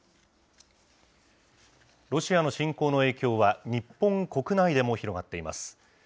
ロシアの侵攻の影響は、日本国内でも広がっています。